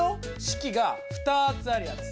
式が２つあるやつ。